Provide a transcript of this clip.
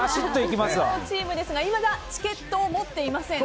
木曜チームはいまだチケットを持っていません。